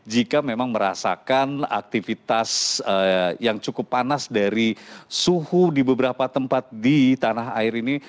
jika memang merasakan aktivitas yang cukup panas dari suhu di beberapa tempat di tanah air ini